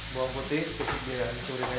bawang putih sedikit dihancurin aja